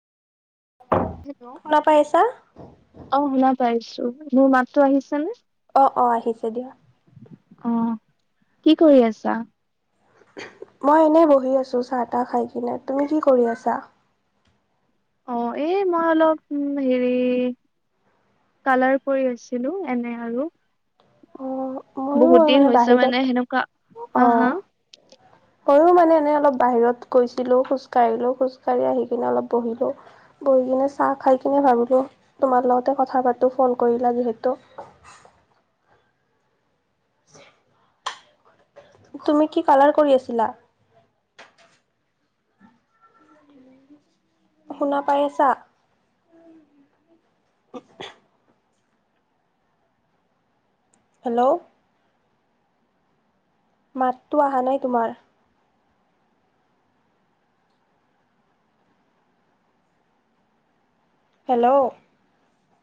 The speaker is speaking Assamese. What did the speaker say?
হেল্ল শুনা পাইছা? অ' শুনা পাইছো মোৰ মাতো আহিছেনে অ' অ' আহিছে দিয়া অ' কি কৰি আছা মই এনেই বহি আছোঁ চাহ তাহ খাই কিনে তুমি কি কৰি আছা। অ' এই মই অলপ হেৰি কালাৰ কৰি আছিলো এনে আৰু। অ', ময়ো বহুত দিন হৈছে বাহিৰত মানে সেনেকুৱা হা অ'। হা ময়ো মানে এনেই অলপ বাহিৰত গৈছিলো খোজ কাঢ়িলো খোজ কাঢ়ি আহি কিনে অলপ বহিলো বহি কিনে চাহ খাই কিনে ভাবিলোঁ তোমাৰ লগতে কথা পাতোঁ ফোন কৰিলা যিহেতু [unintelligible] তুমি কি কালাৰ কৰি আছিলা শুনা পাই আছা হেল্ল' মাততো অহা নাই তোমাৰ হেল্ল'